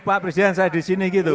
pak presiden saya di sini gitu